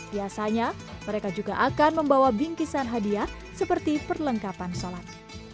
biasanya mereka juga akan membawa bingkisan hadiah seperti perlengkapan sholat